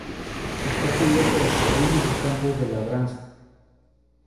Está cubierta de jardines y campos de labranza.